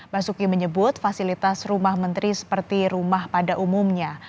basuki menyebut fasilitas rumah menteri seperti rumah pada umumnya